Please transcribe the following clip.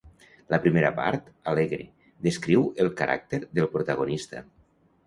La primera part, alegre, descriu el caràcter del protagonista.